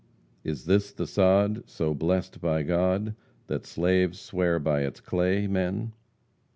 Is this the sod, So blest by God, That slaves swear by its clay, men?